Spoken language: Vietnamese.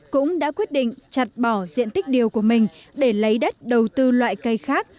cũng đã quyết định chặt bỏ diện tích điều của mình để lấy đất đầu tư loại cây khác